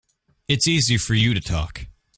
It's easy for you to talk.